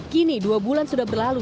kini dua bulan sudah berlalu